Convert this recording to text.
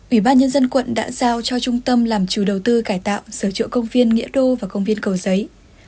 ủy ban nhân dân quận đã giao cho trung tâm làm chủ đầu tư cải tạo sở trựa công viên nghĩa đô và công viên cầu giấy